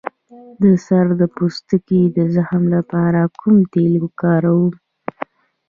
د سر د پوستکي د زخم لپاره کوم تېل وکاروم؟